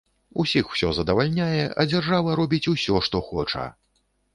Усіх усё задавальняе, а дзяржава робіць усё, што хоча!